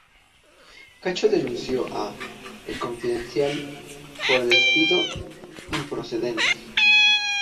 Cacho denunció a "El Confidencial" por despido improcedente.